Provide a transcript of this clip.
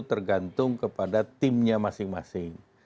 tergantung kepada timnya masing masing